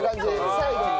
最後に。